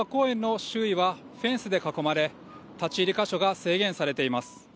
平和公園の周囲はフェンスで囲まれ、立ち入り箇所が制限されています。